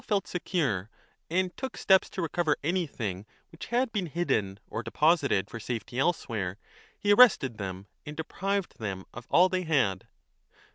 2 1351" felt secure and took steps to recover anything which had been hidden or deposited for safety elsewhere, he arrested them and deprived them of all they had.